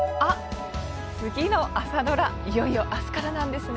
次の朝ドラ、いよいよあしたからなんですね。